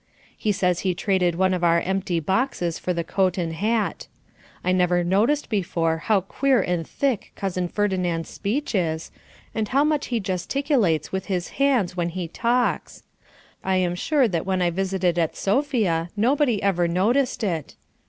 He says he traded one of our empty boxes for the coat and hat. I never noticed before how queer and thick Cousin Ferdinand's speech is, and how much he gesticulates with his hands when he talks. I am sure that when I visited at Sofia nobody ever noticed it.